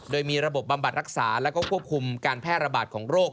โดยมีระบบบำบัดรักษาแล้วก็ควบคุมการแพร่ระบาดของโรค